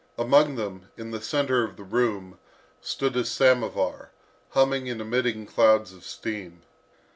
Among them, in the centre of the room, stood a samovar, humming and emitting clouds of steam.